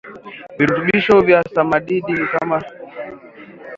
virutubisho vya samadid ni kama vile N P K Ca Mg S